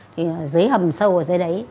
thì dưới hầm sâu ở dưới đấy